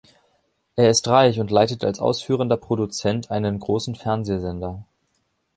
Er ist reich und leitet als ausführender Produzent einen großen Fernsehsender.